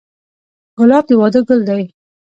ګلاب د واده ګل دی.